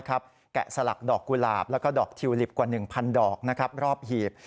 แกะสลักดอกกุหลาบแล้วก็ดอกทิวลิปกว่า๑๐๐ดอกรอบหีบ